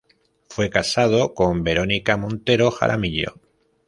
Fue casado con Verónica Montero Jaramillo.